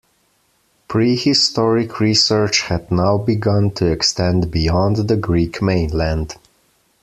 Prehistoric research had now begun to extend beyond the Greek mainland.